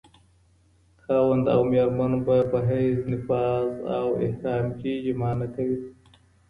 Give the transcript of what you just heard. خاوند او ميرمن به په حيض، نفاس او احرام کي جماع نکوي